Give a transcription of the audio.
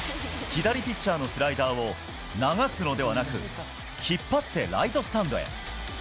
左ピッチャーのスライダーを流すのではなく、引っ張ってライトスタンドへ。